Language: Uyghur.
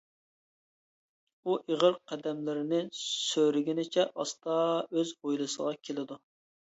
ئۇ ئېغىر قەدەملىرىنى سۆرىگىنىچە ئاستا ئۆز ھويلىسىغا كېلىدۇ.